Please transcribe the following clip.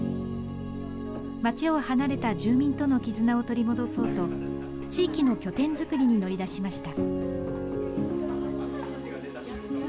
町を離れた住民との絆を取り戻そうと地域の拠点作りに乗り出しました。